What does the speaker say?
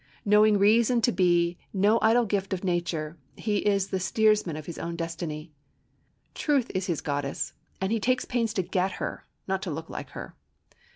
Knowing reason to be no idle gift of nature he is the steersman of his own destiny. Truth is his goddess, and he takes pains to get her, not to look like her.